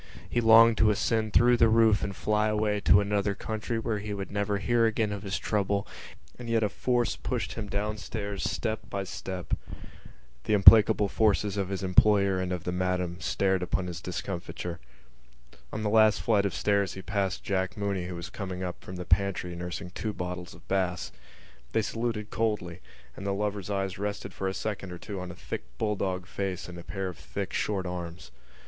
He longed to ascend through the roof and fly away to another country where he would never hear again of his trouble, and yet a force pushed him downstairs step by step. The implacable faces of his employer and of the Madam stared upon his discomfiture. On the last flight of stairs he passed Jack Mooney who was coming up from the pantry nursing two bottles of Bass. They saluted coldly; and the lover's eyes rested for a second or two on a thick bulldog face and a pair of thick short arms.